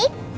ini om baik